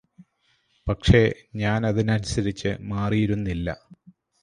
പക്ഷേ ഞാനതിനനുസരിച്ച് മാറിയിരുന്നില്ല